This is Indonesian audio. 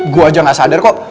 gue aja gak sadar kok